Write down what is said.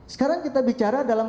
sekarang kita bicara dalam